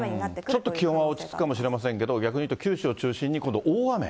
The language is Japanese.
ちょっと気温は落ち着くかもしれませんけど、逆に言うと九州を中心に今度大雨。